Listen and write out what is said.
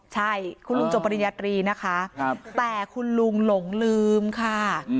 ใช่คุณลุงจบปริญญาตรีนะคะแต่คุณลุงหลงลืมค่ะ